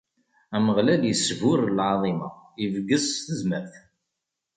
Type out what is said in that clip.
Ameɣlal isburr lɛaḍima, ibges s tezmert.